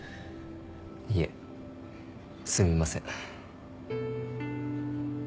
いえすみません。